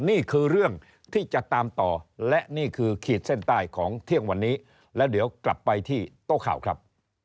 นี่คือเรื่องที่จะตามต่อและนี่คือขีดเส้นใต้ของเที่ยงวันนี้แล้วเดี๋ยวกลับไปที่โต๊ะข่าวครับ